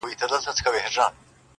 زه به د څو شېبو لپاره نور.